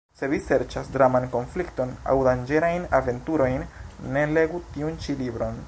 Se vi serĉas draman konflikton aŭ danĝerajn aventurojn, ne legu tiun ĉi libron.